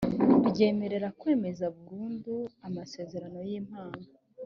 ryemerera kwemeza burundu amasezerano y’ impano